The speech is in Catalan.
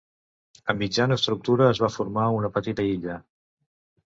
A mitjan estructura es va formar una petita illa.